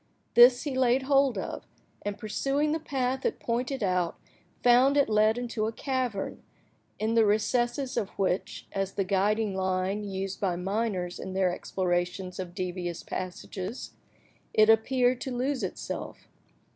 This he laid hold of, and, pursuing the path it pointed out, found it led into a cavern, in the recesses of which, as the guiding line used by miners in their explorations of devious passages, it appeared to lose itself.